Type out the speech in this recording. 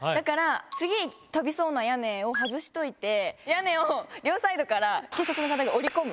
次跳びそうな屋根を外しといて屋根を両サイドから警察の方が折り込む。